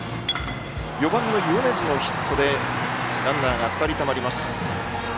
４番の米津のヒットでランナーが２人たまります。